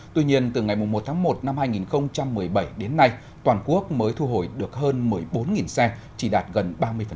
tuy nhiên từ ngày một tháng một năm hai nghìn một mươi bảy đến nay toàn quốc mới thu hồi được hơn một mươi bốn xe chỉ đạt gần ba mươi